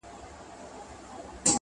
د ځان ښودني څخه راتیر سه